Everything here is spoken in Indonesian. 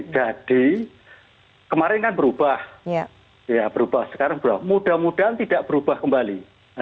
jadi kemarin kan berubah berubah sekarang berubah mudah mudahan tidak berubah kembali